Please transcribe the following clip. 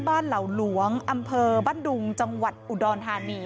เหล่าหลวงอำเภอบ้านดุงจังหวัดอุดรธานี